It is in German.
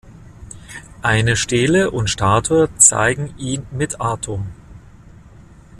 Eine Stele und Statue zeigen ihn mit Atum.